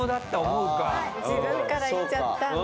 自分から行っちゃったんだ。